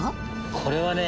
これはね